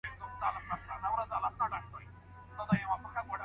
دوکانونه هره ورځ نه تړل کېږي.